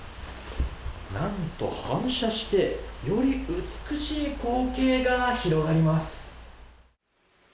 何と、反射してより美しい光景が広がります。